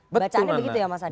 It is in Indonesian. bacaannya begitu ya mas adi